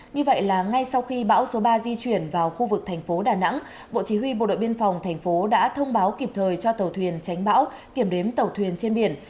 như vậy là ngay sau khi bão số ba di chuyển vào khu vực thành phố đà nẵng bộ chỉ huy bộ đội biên phòng thành phố đã thông báo kịp thời cho tàu thuyền tránh bão kiểm đếm tàu thuyền trên biển